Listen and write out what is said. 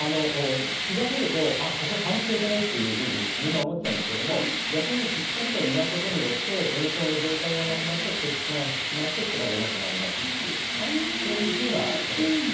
血が出るとここ触っちゃいけないっていうふうにみんな思っちゃうんですけれども逆にしっかりと磨くことによって炎症の状態がなくなって血管が引き締まって血が出なくなりますっていうそういうふうなこと。